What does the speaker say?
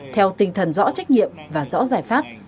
theo tinh thần rõ trách nhiệm và rõ giải pháp